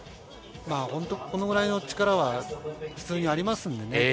これくらいの力は普通にありますんでね。